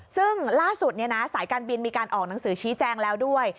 ซึ่งล่าสุดสายการบินมีการออกหนังสือชี้แจงแล้วด้วย